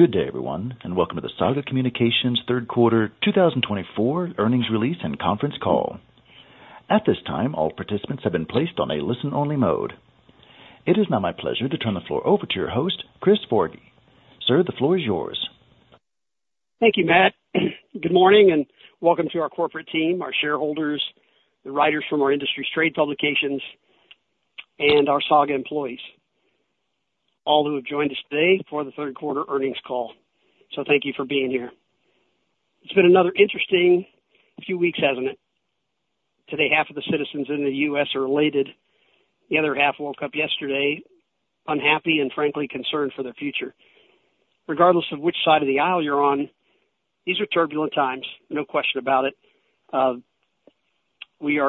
Good day, everyone, and welcome to the Saga Communications Q3 2024 Earnings Release and Conference Call. At this time, all participants have been placed on a listen-only mode. It is now my pleasure to turn the floor over to your host, Chris Forgy. Sir, the floor is yours. Thank you, Matt. Good morning and welcome to our corporate team, our shareholders, the writers from our industry trade publications, and our Saga employees, all who have joined us today for the Q3 earnings call. So thank you for being here. It's been another interesting few weeks, hasn't it? Today, half of the citizens in the U.S. are elated. The other half woke up yesterday unhappy and, frankly, concerned for their future. Regardless of which side of the aisle you're on, these are turbulent times, no question about it. We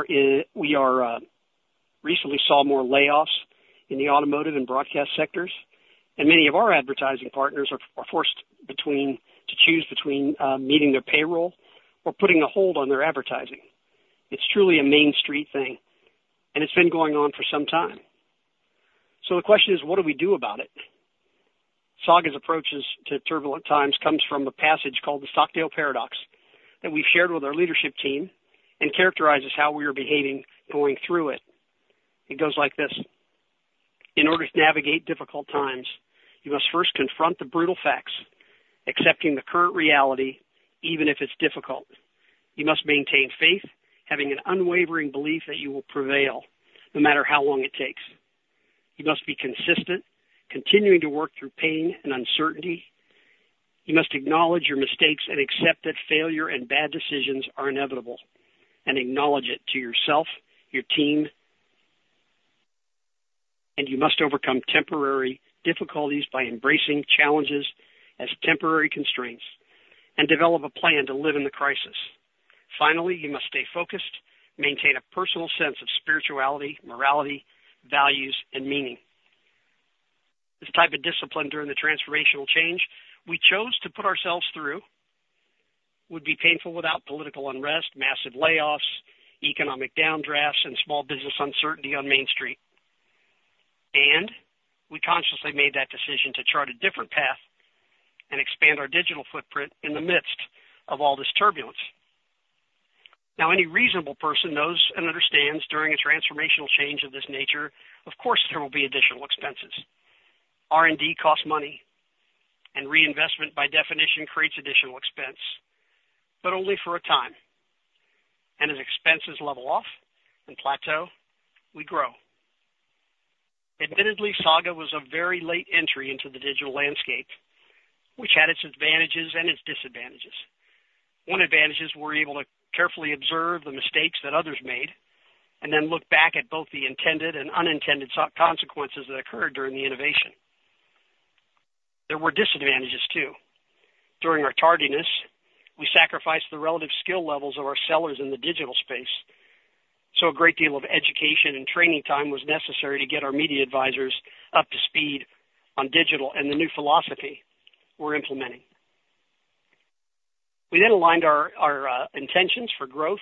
recently saw more layoffs in the automotive and broadcast sectors, and many of our advertising partners are forced to choose between meeting their payroll or putting a hold on their advertising. It's truly a Main Street thing, and it's been going on for some time. So the question is, what do we do about it? Saga's approach to turbulent times comes from a passage called the Stockdale Paradox that we've shared with our leadership team and characterizes how we are behaving going through it. It goes like this: In order to navigate difficult times, you must first confront the brutal facts, accepting the current reality even if it's difficult. You must maintain faith, having an unwavering belief that you will prevail no matter how long it takes. You must be consistent, continuing to work through pain and uncertainty. You must acknowledge your mistakes and accept that failure and bad decisions are inevitable, and acknowledge it to yourself, your team, and you must overcome temporary difficulties by embracing challenges as temporary constraints and develop a plan to live in the crisis. Finally, you must stay focused, maintain a personal sense of spirituality, morality, values, and meaning. This type of discipline during the transformational change we chose to put ourselves through would be painful without political unrest, massive layoffs, economic downdrafts, and small business uncertainty on Main Street. And we consciously made that decision to chart a different path and expand our digital footprint in the midst of all this turbulence. Now, any reasonable person knows and understands during a transformational change of this nature, of course, there will be additional expenses. R&D costs money, and reinvestment, by definition, creates additional expense, but only for a time. And as expenses level off and plateau, we grow. Admittedly, Saga was a very late entry into the digital landscape, which had its advantages and its disadvantages. One advantage is we're able to carefully observe the mistakes that others made and then look back at both the intended and unintended consequences that occurred during the innovation. There were disadvantages too. During our tardiness, we sacrificed the relative skill levels of our sellers in the digital space, so a great deal of education and training time was necessary to get our media advisors up to speed on digital and the new philosophy we're implementing. We then aligned our intentions for growth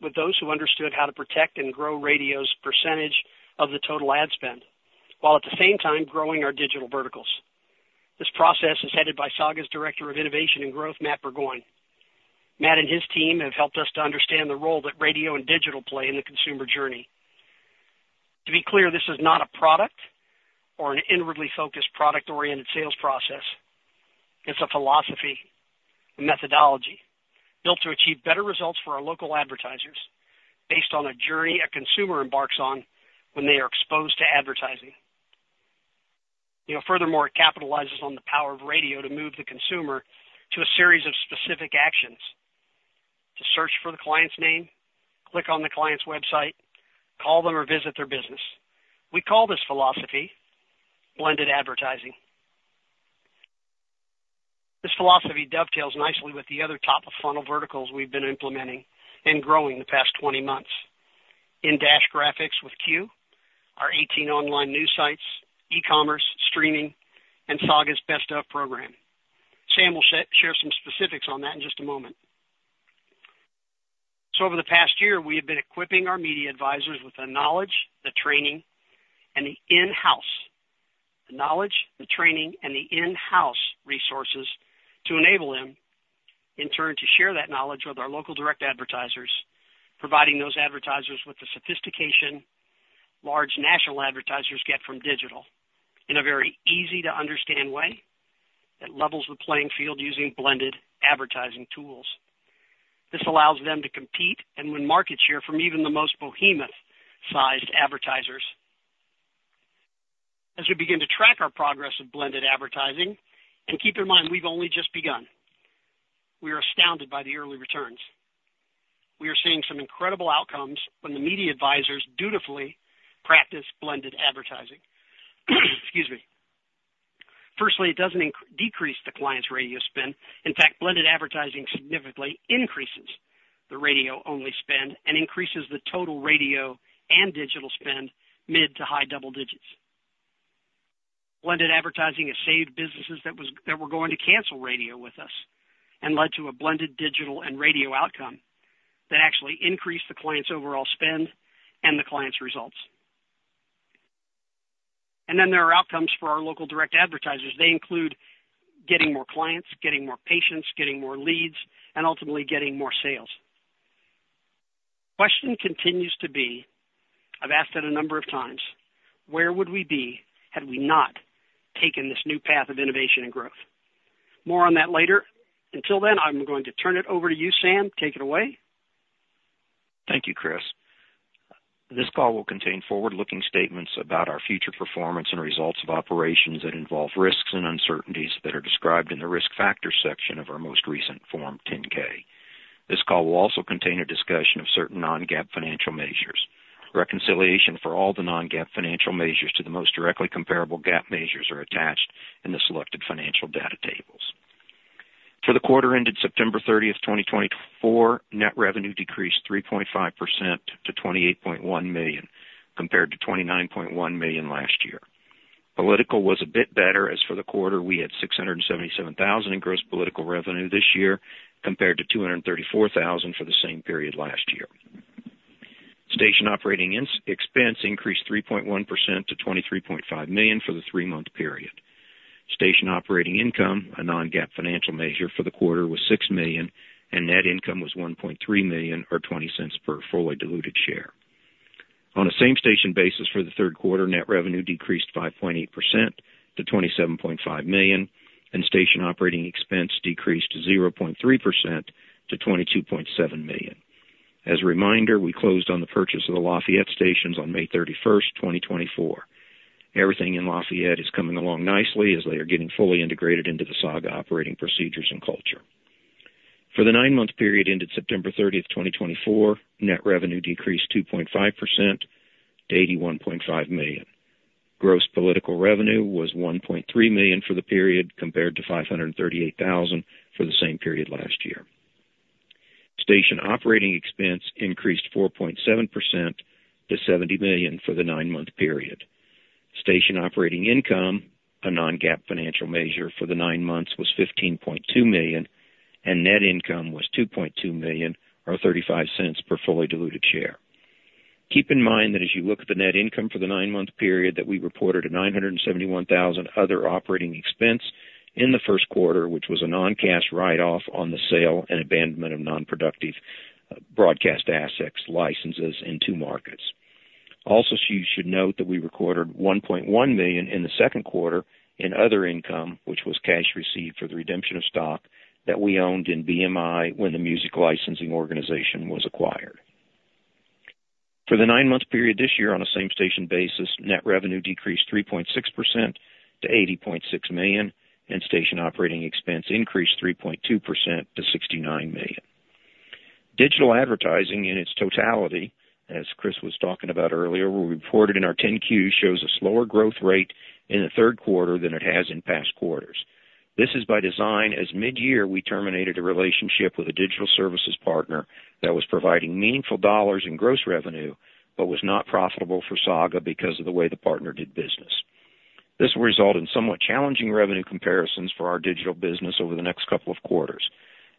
with those who understood how to protect and grow radio's percentage of the total ad spend while at the same time growing our digital verticals. This process is headed by Saga's Director of Innovation and Growth, Matt Burgoyne. Matt and his team have helped us to understand the role that radio and digital play in the consumer journey. To be clear, this is not a product or an inwardly focused product-oriented sales process. It's a philosophy, a methodology built to achieve better results for our local advertisers based on a journey a consumer embarks on when they are exposed to advertising. Furthermore, it capitalizes on the power of radio to move the consumer to a series of specific actions: to search for the client's name, click on the client's website, call them, or visit their business. We call this philosophy Blended Advertising. This philosophy dovetails nicely with the other top-of-funnel verticals we've been implementing and growing the past 20 months: in-dash graphics with Quu, our 18 online news sites, e-commerce, streaming, and Saga's best of program. Sam will share some specifics on that in just a moment. Over the past year, we have been equipping our media advisors with the knowledge, the training, and the in-house resources to enable them, in turn, to share that knowledge with our local direct advertisers, providing those advertisers with the sophistication large national advertisers get from digital in a very easy-to-understand way that levels the playing field using Blended Advertising tools. This allows them to compete and win market share from even the most behemoth-sized advertisers. As we begin to track our progress of Blended Advertising, and keep in mind, we've only just begun, we are astounded by the early returns. We are seeing some incredible outcomes when the media advisors dutifully practice Blended Advertising. Excuse me. Firstly, it doesn't decrease the client's radio spend. In fact, Blended Advertising significantly increases the radio-only spend and increases the total radio and digital spend mid to high double digits. Blended advertising has saved businesses that were going to cancel radio with us and led to a blended digital and radio outcome that actually increased the client's overall spend and the client's results. And then there are outcomes for our local direct advertisers. They include getting more clients, getting more patients, getting more leads, and ultimately getting more sales. The question continues to be - I've asked it a number of times - where would we be had we not taken this new path of innovation and growth? More on that later. Until then, I'm going to turn it over to you, Sam. Take it away. Thank you, Chris. This call will contain forward-looking statements about our future performance and results of operations that involve risks and uncertainties that are described in the risk factors section of our most recent Form 10-K. This call will also contain a discussion of certain non-GAAP financial measures. Reconciliation for all the non-GAAP financial measures to the most directly comparable GAAP measures are attached in the selected financial data tables. For the quarter ended September 30, 2024, net revenue decreased 3.5% to $28.1 million compared to $29.1 million last year. Political was a bit better as for the quarter we had $677,000 in gross political revenue this year compared to $234,000 for the same period last year. Station operating expense increased 3.1% to $23.5 million for the three-month period. Station operating income, a non-GAAP financial measure for the quarter, was $6 million, and net income was $1.3 million or $0.20 per fully diluted share. On the same station basis for the Q3, net revenue decreased 5.8% to $27.5 million, and station operating expense decreased 0.3% to $22.7 million. As a reminder, we closed on the purchase of the Lafayette stations on May 31, 2024. Everything in Lafayette is coming along nicely as they are getting fully integrated into the Saga operating procedures and culture. For the nine-month period ended September 30, 2024, net revenue decreased 2.5% to $81.5 million. Gross political revenue was $1.3 million for the period compared to $538,000 for the same period last year. Station operating expense increased 4.7% to $70 million for the nine-month period. Station operating income, a non-GAAP financial measure for the nine months, was $15.2 million, and net income was $2.2 million or $0.35 per fully diluted share. Keep in mind that as you look at the net income for the nine-month period, we reported a $971,000 other operating expense in the first quarter, which was a non-cash write-off on the sale and abandonment of non-productive broadcast assets, licenses, and two markets. Also, you should note that we recorded $1.1 million in the second quarter in other income, which was cash received for the redemption of stock that we owned in BMI when the music licensing organization was acquired. For the nine-month period this year, on the same station basis, net revenue decreased 3.6% to $80.6 million, and station operating expense increased 3.2% to $69 million. Digital advertising in its totality, as Chris was talking about earlier, we reported in our 10-Q, shows a slower growth rate in the Q3 than it has in past quarters. This is by design as mid-year we terminated a relationship with a digital services partner that was providing meaningful dollars in gross revenue but was not profitable for Saga because of the way the partner did business. This will result in somewhat challenging revenue comparisons for our digital business over the next couple of quarters.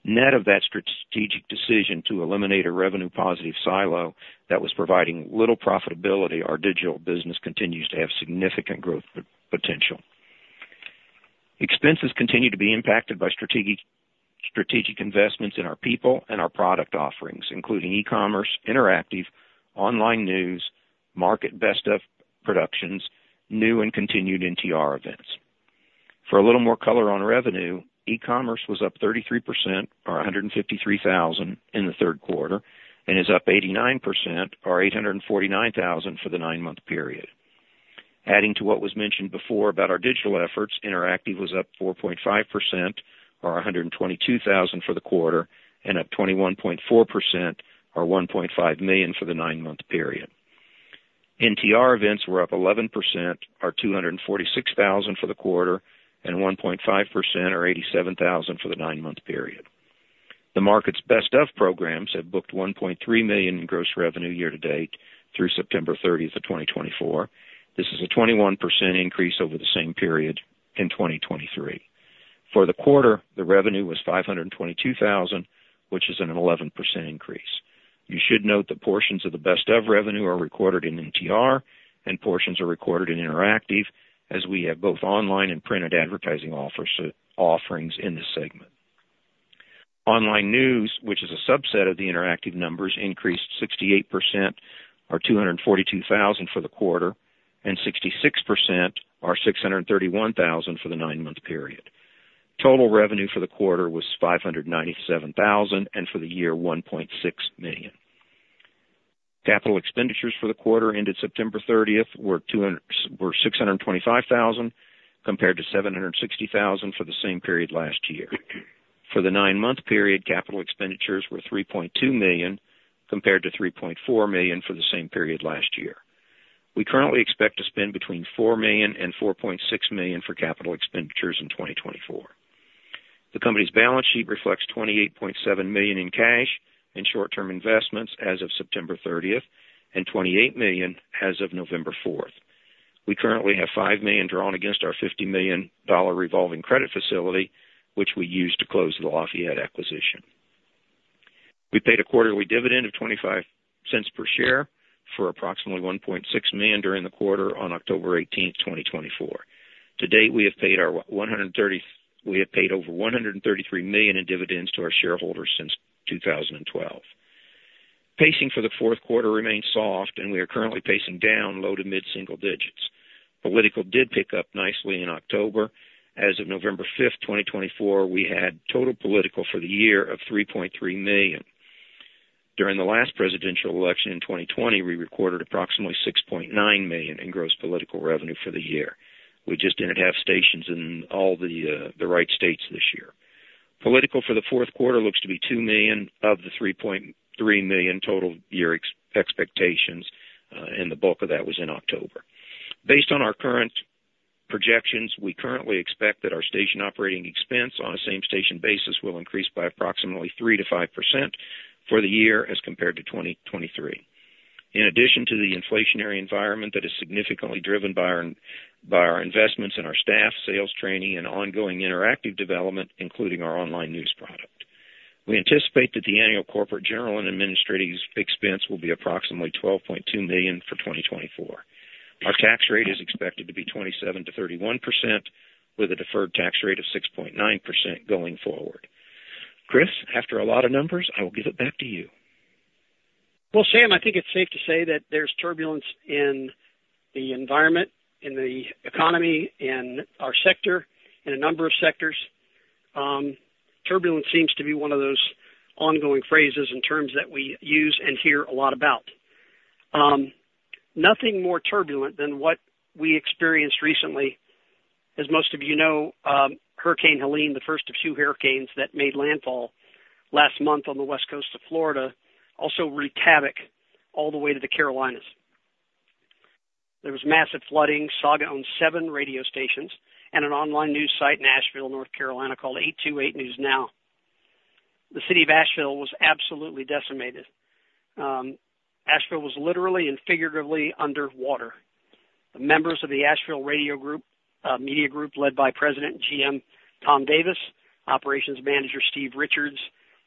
Net of that strategic decision to eliminate a revenue-positive silo that was providing little profitability, our digital business continues to have significant growth potential. Expenses continue to be impacted by strategic investments in our people and our product offerings, including e-commerce, interactive, online news, market best of productions, new and continued NTR events. For a little more color on revenue, e-commerce was up 33% or $153,000 in the Q3 and is up 89% or $849,000 for the nine-month period. Adding to what was mentioned before about our digital efforts, interactive was up 4.5% or $122,000 for the quarter and up 21.4% or $1.5 million for the nine-month period. NTR events were up 11% or $246,000 for the quarter and 1.5% or $87,000 for the nine-month period. The market's best of programs have booked $1.3 million in gross revenue year-to-date through September 30, 2024. This is a 21% increase over the same period in 2023. For the quarter, the revenue was $522,000, which is an 11% increase. You should note that portions of the best of revenue are recorded in NTR and portions are recorded in interactive as we have both online and printed advertising offerings in this segment. Online news, which is a subset of the interactive numbers, increased 68% or $242,000 for the quarter and 66% or $631,000 for the nine-month period. Total revenue for the quarter was $597,000 and for the year, $1.6 million. Capital expenditures for the quarter ended September 30 were $625,000 compared to $760,000 for the same period last year. For the nine-month period, capital expenditures were $3.2 million compared to $3.4 million for the same period last year. We currently expect to spend between $4 million and $4.6 million for capital expenditures in 2024. The company's balance sheet reflects $28.7 million in cash and short-term investments as of September 30 and $28 million as of November 4. We currently have $5 million drawn against our $50 million revolving credit facility, which we used to close the Lafayette acquisition. We paid a quarterly dividend of $0.25 per share for approximately 1.6 million during the quarter on October 18, 2024. To date, we have paid over $133 million in dividends to our shareholders since 2012. Pacing for the Q4 remains soft, and we are currently pacing down low to mid single digits. Political did pick up nicely in October. As of November 5, 2024, we had total political for the year of $3.3 million. During the last presidential election in 2020, we recorded approximately $6.9 million in gross political revenue for the year. We just didn't have stations in all the right states this year. Political for the Q4 looks to be $2 million of the $3.3 million total year expectations, and the bulk of that was in October. Based on our current projections, we currently expect that our station operating expense on the same station basis will increase by approximately 3%-5% for the year as compared to 2023, in addition to the inflationary environment that is significantly driven by our investments in our staff, sales training, and ongoing interactive development, including our online news product. We anticipate that the annual corporate general and administrative expense will be approximately $12.2 million for 2024. Our tax rate is expected to be 27%-31% with a deferred tax rate of 6.9% going forward. Chris, after a lot of numbers, I will give it back to you. Well, Sam, I think it's safe to say that there's turbulence in the environment, in the economy, in our sector, in a number of sectors. Turbulence seems to be one of those ongoing phrases and terms that we use and hear a lot about. Nothing more turbulent than what we experienced recently. As most of you know, Hurricane Helene, the first of two hurricanes that made landfall last month on the west coast of Florida, also wreaked havoc all the way to the Carolinas. There was massive flooding. Saga owned seven radio stations and an online news site, Asheville, North Carolina, called 828 News Now. The city of Asheville was absolutely decimated. Asheville was literally and figuratively underwater. The members of the Asheville Media Group, a media group led by President GM Tom Davis, Operations Manager Steve Richards,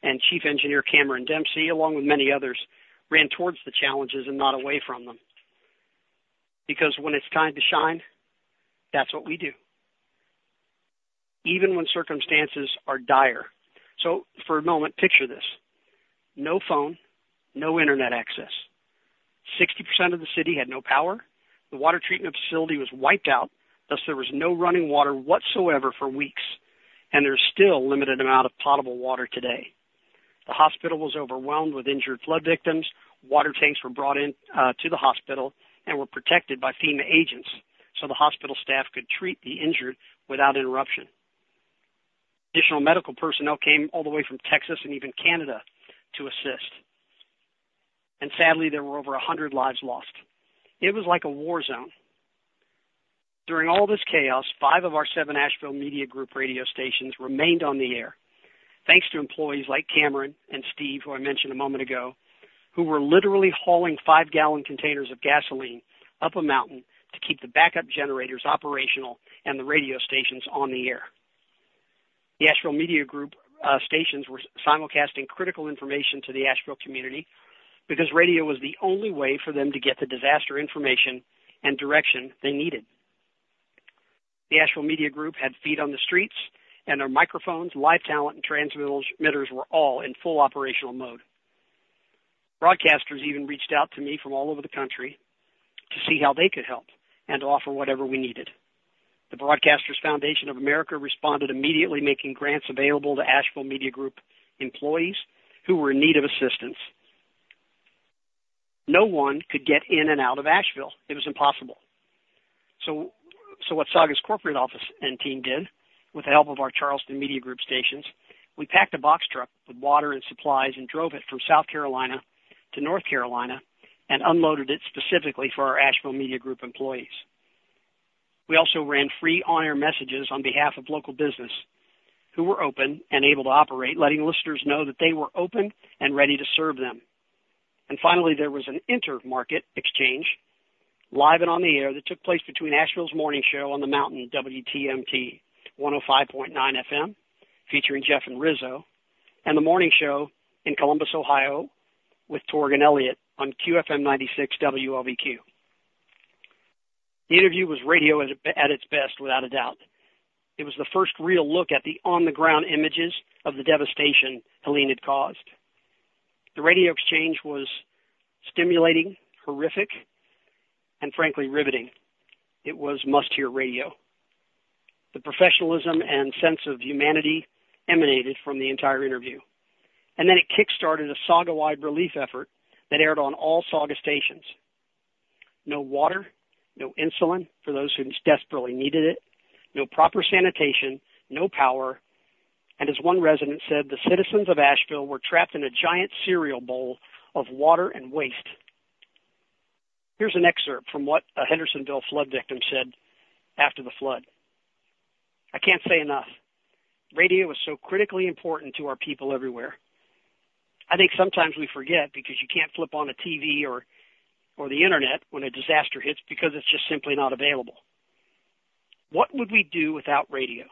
and Chief Engineer Cameron Dempsey, along with many others, ran towards the challenges and not away from them. Because when it's time to shine, that's what we do, even when circumstances are dire, so for a moment, picture this: no phone, no internet access. 60% of the city had no power. The water treatment facility was wiped out, thus there was no running water whatsoever for weeks, and there's still a limited amount of potable water today. The hospital was overwhelmed with injured flood victims. Water tanks were brought into the hospital and were protected by FEMA agents so the hospital staff could treat the injured without interruption. Additional medical personnel came all the way from Texas and even Canada to assist, and sadly, there were over 100 lives lost. It was like a war zone. During all this chaos, five of our seven Asheville Media Group radio stations remained on the air, thanks to employees like Cameron and Steve, who I mentioned a moment ago, who were literally hauling five-gallon containers of gasoline up a mountain to keep the backup generators operational and the radio stations on the air. The Asheville Media Group stations were simulcasting critical information to the Asheville community because radio was the only way for them to get the disaster information and direction they needed. The Asheville Media Group had feet on the streets, and their microphones, live talent, and transmitters were all in full operational mode. Broadcasters even reached out to me from all over the country to see how they could help and to offer whatever we needed. The Broadcasters Foundation of America responded immediately, making grants available to Asheville Media Group employees who were in need of assistance. No one could get in and out of Asheville. It was impossible. So what Saga's corporate office and team did, with the help of our Charleston Media Group stations, we packed a box truck with water and supplies and drove it from South Carolina to North Carolina and unloaded it specifically for our Asheville Media Group employees. We also ran free on-air messages on behalf of local business who were open and able to operate, letting listeners know that they were open and ready to serve them. Finally, there was an intermarket exchange, live and on the air, that took place between Asheville's Morning Show on The Mountain, WTMT 105.9 FM, featuring Jeff and Rizzo, and the morning show in Columbus, Ohio, with Torg and Elliott on QFM 96 WLVQ. The interview was radio at its best, without a doubt. It was the first real look at the on-the-ground images of the devastation Helene had caused. The radio exchange was stimulating, horrific, and frankly, riveting. It was must-hear radio. The professionalism and sense of humanity emanated from the entire interview. Then it kickstarted a Saga-wide relief effort that aired on all Saga stations. No water, no insulin for those who desperately needed it, no proper sanitation, no power. As one resident said, the citizens of Asheville were trapped in a giant cereal bowl of water and waste. Here's an excerpt from what a Hendersonville flood victim said after the flood. I can't say enough. Radio was so critically important to our people everywhere. I think sometimes we forget because you can't flip on a TV or the internet when a disaster hits because it's just simply not available. What would we do without radio?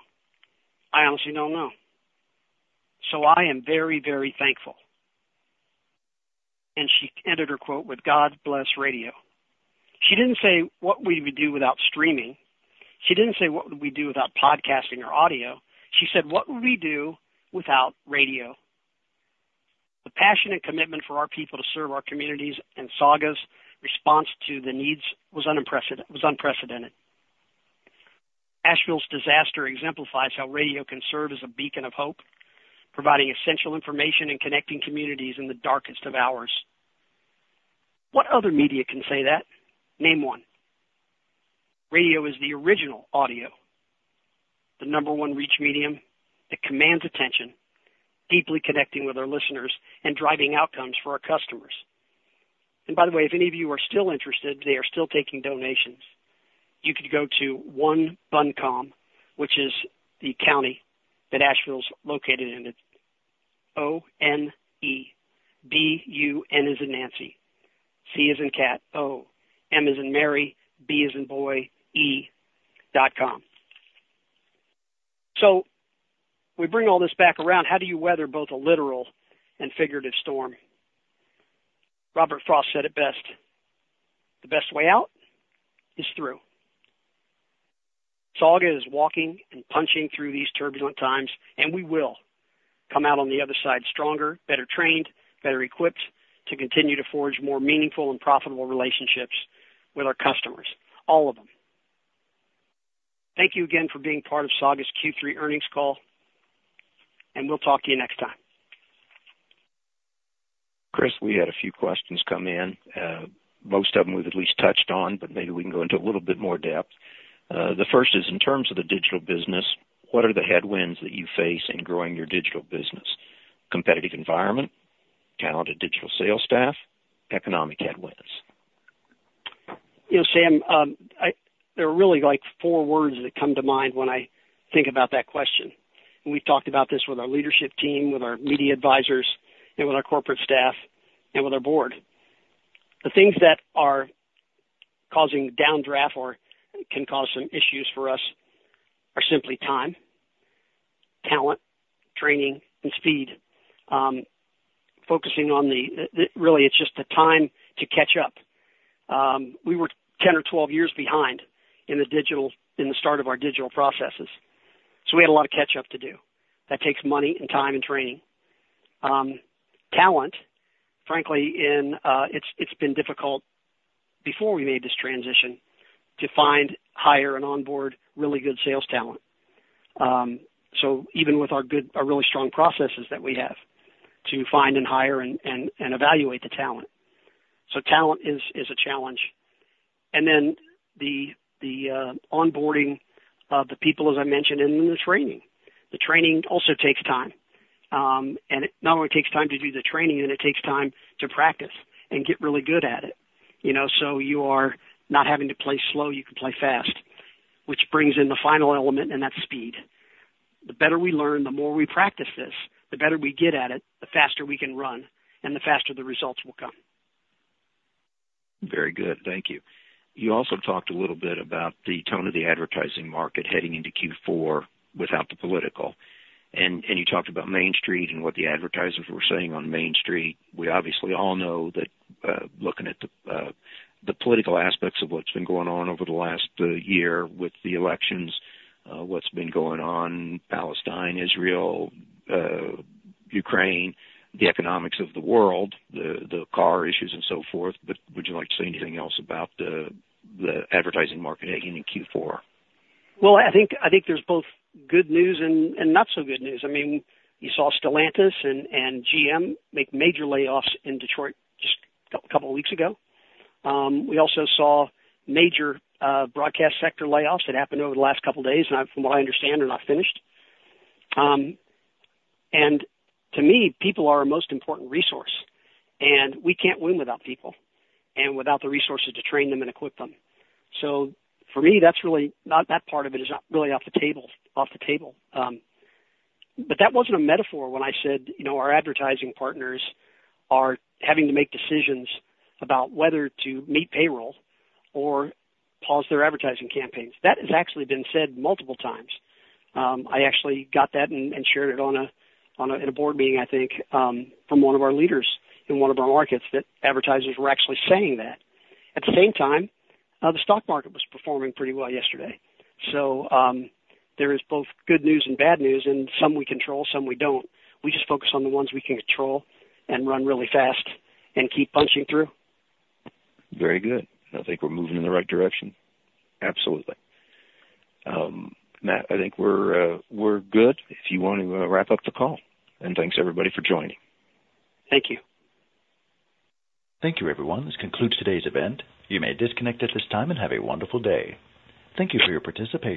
I honestly don't know. So I am very, very thankful, and she ended her quote with, "God bless radio." She didn't say, "What would we do without streaming?" She didn't say, "What would we do without podcasting or audio?" She said, "What would we do without radio?" The passionate commitment for our people to serve our communities and Saga's response to the needs was unprecedented. Asheville's disaster exemplifies how radio can serve as a beacon of hope, providing essential information and connecting communities in the darkest of hours. What other media can say that? Name one. Radio is the original audio, the number one reach medium that commands attention, deeply connecting with our listeners and driving outcomes for our customers. And by the way, if any of you are still interested, they are still taking donations. You could go to One Buncombe, which is the county that Asheville's located in, O-N-E, B-U-N as in Nancy, C as in Cat, O, M as in Mary, B as in Boy, E.com. So we bring all this back around. How do you weather both a literal and figurative storm? Robert Frost said it best, "The best way out is through." Saga is walking and punching through these turbulent times, and we will come out on the other side stronger, better trained, better equipped to continue to forge more meaningful and profitable relationships with our customers, all of them. Thank you again for being part of Saga's Q3 earnings call, and we'll talk to you next time. Chris, we had a few questions come in. Most of them we've at least touched on, but maybe we can go into a little bit more depth. The first is, in terms of the digital business, what are the headwinds that you face in growing your digital business? Competitive environment, talented digital sales staff, economic headwinds? You know, Sam, there are really like four words that come to mind when I think about that question. We've talked about this with our leadership team, with our media advisors, and with our corporate staff, and with our board. The things that are causing down draft or can cause some issues for us are simply time, talent, training, and speed. Focusing on the really, it's just the time to catch up. We were 10 or 12 years behind in the digital in the start of our digital processes. So we had a lot of catch-up to do. That takes money and time and training. Talent, frankly, it's been difficult before we made this transition to find, hire, and onboard really good sales talent. So even with our really strong processes that we have to find and hire and evaluate the talent. So talent is a challenge. And then the onboarding of the people, as I mentioned, and then the training. The training also takes time and not only takes time to do the training, then it takes time to practice and get really good at it, so you are not having to play slow. You can play fast, which brings in the final element, and that's speed. The better we learn, the more we practice this, the better we get at it, the faster we can run, and the faster the results will come. Very good. Thank you. You also talked a little bit about the tone of the advertising market heading into Q4 without the political. And you talked about Main Street and what the advertisers were saying on Main Street. We obviously all know that looking at the political aspects of what's been going on over the last year with the elections, what's been going on, Palestine, Israel, Ukraine, the economics of the world, the car issues, and so forth. But would you like to say anything else about the advertising market heading into Q4? Well, I think there's both good news and not so good news. I mean, you saw Stellantis and GM make major layoffs in Detroit just a couple of weeks ago. We also saw major broadcast sector layoffs that happened over the last couple of days, and from what I understand, are not finished. And to me, people are our most important resource. And we can't win without people and without the resources to train them and equip them. So for me, that's really not that part of it is not really off the table. But that wasn't a metaphor when I said our advertising partners are having to make decisions about whether to meet payroll or pause their advertising campaigns. That has actually been said multiple times. I actually got that and shared it on a board meeting, I think, from one of our leaders in one of our markets that advertisers were actually saying that. At the same time, the stock market was performing pretty well yesterday. So there is both good news and bad news, and some we control, some we don't. We just focus on the ones we can control and run really fast and keep punching through. Very good. I think we're moving in the right direction. Absolutely. Matt, I think we're good if you want to wrap up the call, and thanks, everybody, for joining. Thank you. Thank you, everyone. This concludes today's event. You may disconnect at this time and have a wonderful day. Thank you for your participation.